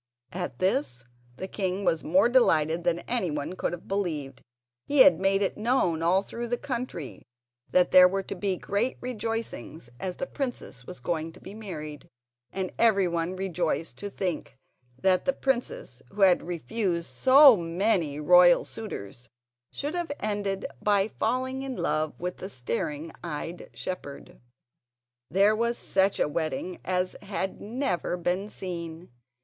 At this the king was more delighted than anyone could have believed. He made it known all through the country that there were to be great rejoicings, as the princess was going to be married. And everyone rejoiced to think that the princess, who had refused so many royal suitors, should have ended by falling in love with the staring eyed shepherd. There was such a wedding as had never been seen.